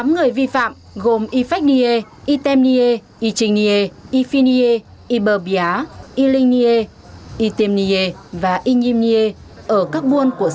tám người vi phạm gồm y phách nhiê y têm nhiê y trình nhiê y phi nhiê y bờ bìa y linh nhiê y tiêm nhiê và y nhiêm nhiê ở các buôn